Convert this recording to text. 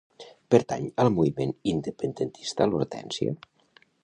Pertany al moviment independentista l'Hortensia?